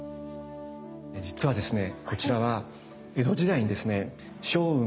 実はですね